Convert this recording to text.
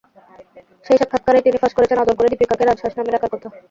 সেই সাক্ষাৎকারেই তিনি ফাঁস করেছেন, আদর করে দীপিকাকে রাজহাঁস নামে ডাকার কথা।